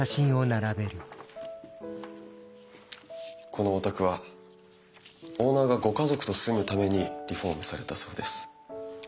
このお宅はオーナーがご家族と住むためにリフォームされたそうです。